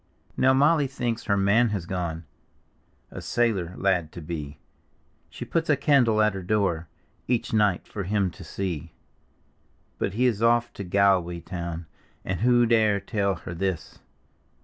Now Molly thinks her man has gone A sailor lad to be; She puts a candle at her door Each night for him to see. But he is off to Galway town, (And who dare tell her this?)